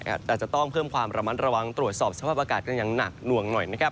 อาจจะต้องเพิ่มความระมัดระวังตรวจสอบสภาพอากาศกันอย่างหนักหน่วงหน่อยนะครับ